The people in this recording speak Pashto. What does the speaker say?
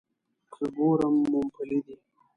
که ګورم مومپلي دي.